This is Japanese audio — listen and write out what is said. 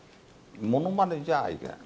ものまねじゃいけない。